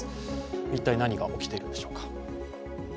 一体何が起きているんでしょうか。